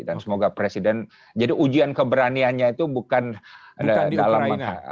dan semoga presiden jadi ujian keberaniannya itu bukan dalam